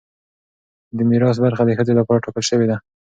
د میراث برخه د ښځې لپاره ټاکل شوې ده.